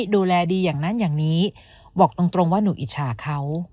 ดูแลดีอย่างนั้นอย่างนี้บอกตรงว่าหนูอิจฉาเขา